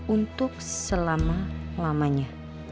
untuk selama lamanya